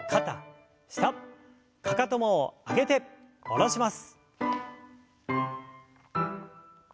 かかとも上げて下ろします。